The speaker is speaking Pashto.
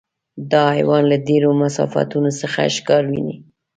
دا حیوان له ډېرو مسافتونو څخه ښکار ویني.